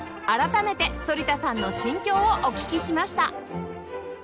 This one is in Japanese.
改めて反田さんの心境をお聞きしました